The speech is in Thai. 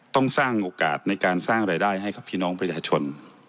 ต้องสร้างโอกาสในการสร้างรายได้ให้กับพี่น้องประชาชน